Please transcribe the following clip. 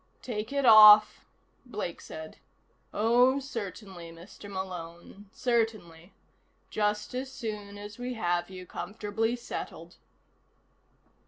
"Take it off?" Blake said. "Oh, certainly, Mr. Malone. Certainly. Just as soon as we have you comfortably settled."